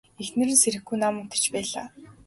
Эхнэр нь сэрэхгүй нам унтаж байлаа.